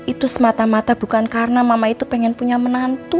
itu semata mata bukan karena mama itu pengen punya menantu